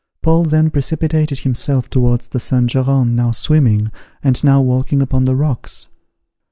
Paul then precipitated himself towards the Saint Geran, now swimming, and now walking upon the rocks.